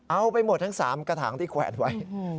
เอาไปหมดทั้ง๓กระถางที่แขวนไว้